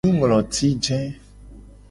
Nungloti je.